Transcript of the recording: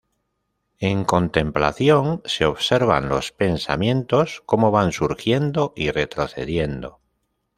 En contemplación, se observan los pensamientos como van surgiendo y retrocediendo.